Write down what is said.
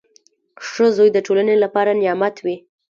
• ښه زوی د ټولنې لپاره نعمت وي.